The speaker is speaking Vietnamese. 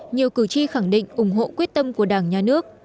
nhiều cử tri khẳng định ủng hộ quyết tâm của đảng nhà nước